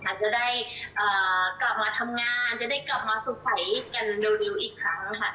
จะได้กลับมาทำงานจะได้กลับมาสดใสกันเร็วอีกครั้งค่ะ